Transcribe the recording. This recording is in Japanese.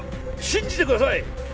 信じてください！